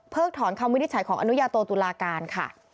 ถอนคำวินิจฉัยของอนุญาโตตุลาการค่ะ